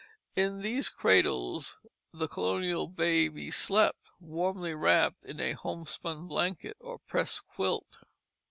In these cradles the colonial baby slept, warmly wrapped in a homespun blanket or pressed quilt.